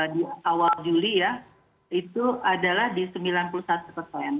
di awal juli ya itu adalah di sembilan puluh satu persen